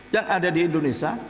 yang ada di indonesia